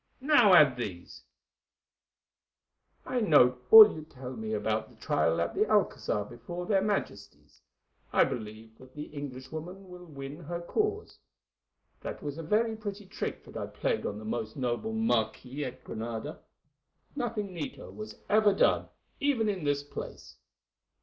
Now add these: "'I note all you tell me about the trial at the Alcazar before their Majesties. I believe that the Englishwoman will win her case. That was a very pretty trick that I played on the most noble marquis at Granada. Nothing neater was ever done, even in this place.